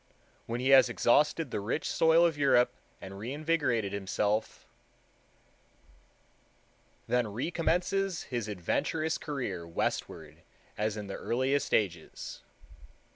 When he has exhausted the rich soil of Europe, and reinvigorated himself, "then recommences his adventurous career westward as in the earliest ages."